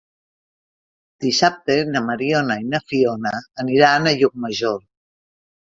Dissabte na Mariona i na Fiona aniran a Llucmajor.